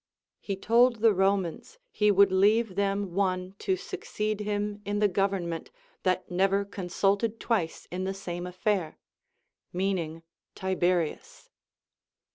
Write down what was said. He told the Romans he would leave them one to succeed him in the government that never consulted twice in the same affair, meaning Tiberius.